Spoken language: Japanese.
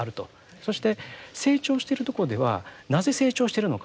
そして成長してるところではなぜ成長しているのか。